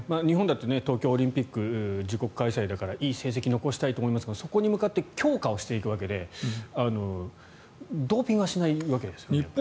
日本だと東京オリンピック自国開催だからいい成績を残したいと思いますがそこに向かって強化をしていくわけでドーピングはしないわけですよね。